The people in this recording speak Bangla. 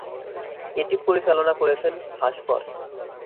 এটি পরিচালনা করেছেন ভাস্কর।